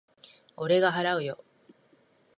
俺が払うよ。